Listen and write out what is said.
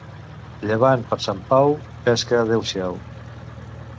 Llevant per Sant Pau, pesca, adeu-siau.